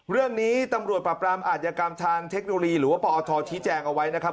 เรื่องนี้ตำรวจปรับรามอาธิกรรมทางเทคโนโลยีหรือว่าปอทชี้แจงเอาไว้นะครับ